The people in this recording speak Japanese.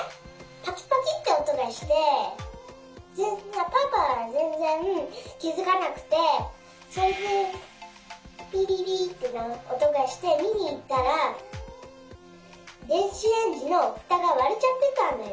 パキパキっておとがしてパパはぜんぜんきづかなくてそれでピピピっておとがしてみにいったらでんしレンジのふたがわれちゃってたんだよ。